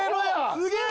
すげえ！